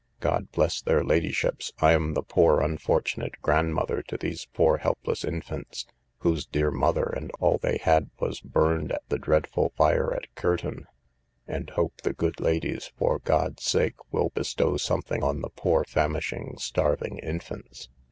God bless their ladyships, I am the poor unfortunate grandmother to these poor helpless infants, whose dear mother and all they had was burnt at the dreadful fire at Kirton, and hope the good ladies, for God's sake, will bestow something on the poor famishing starving infants.